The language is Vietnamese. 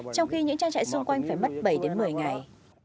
trong khi những trang trại xung quanh phải mất bảy đến một mươi ngày